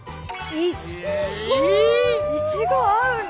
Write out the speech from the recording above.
いちご合うの？